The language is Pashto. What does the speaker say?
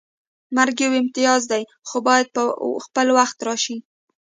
مرګ یو امتیاز دی خو باید په خپل وخت راشي